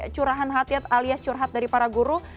curahan hatiat alias curhat dari para guru